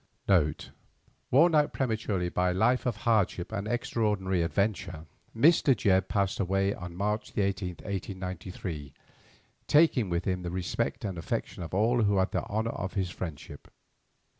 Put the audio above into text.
NOTE Worn out prematurely by a life of hardship and extraordinary adventure, Mr. Jebb passed away on March 18, 1893, taking with him the respect and affection of all who had the honour of his friendship.